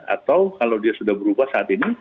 atau kalau dia sudah berubah saat ini